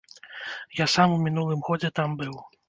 Я сам у мінулым годзе там быў.